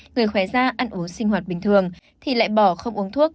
người khóe da ăn uống sinh hoạt bình thường thì lại bỏ không uống thuốc